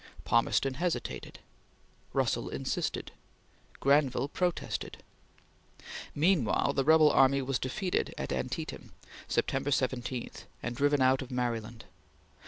Palmerston hesitated; Russell insisted; Granville protested. Meanwhile the rebel army was defeated at Antietam, September 17, and driven out of Maryland.